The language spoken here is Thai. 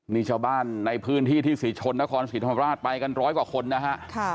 นี่เจ้าบ้านในพื้นที่ที่สิทชนและความสิทธิภาพราชไปกันร้อยกว่าคนนะฮะ